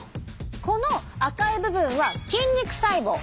この赤い部分は筋肉細胞。